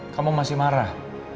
kamu masih marah